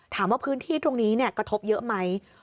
ถามว่าพื้นที่ตรงนี้กระทบเยอะไหม